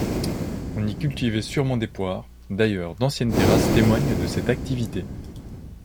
On y cultivait sûrement des poires, d'ailleurs d'anciennes terrasses témoignent de cette activité.